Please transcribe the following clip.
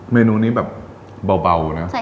เมนูนี้แบบเบานะ